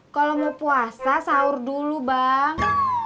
kalau mau puasa sahur dulu bang